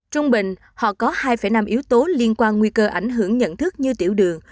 trung bình họ có hai năm yếu tố liên quan nguy cơ ảnh hưởng nhận thức như tiểu đường